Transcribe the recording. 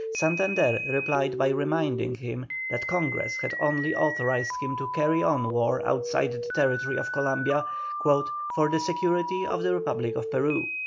Santander replied by reminding him that Congress had only authorised him to carry on war outside the territory of Columbia "for the security of the Republic of Peru."